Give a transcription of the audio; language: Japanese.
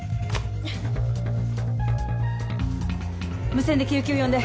無線で救急呼んで。